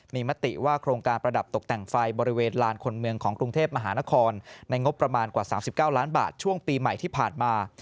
มีมติว่าโครงการประดับตกแต่งไฟบริเวณลานคนเมืองของกรุงเทพมหานครในงบประมาณกว่า๓๙ล้านบาทช่วงปีใหม่ที่ผ่านมา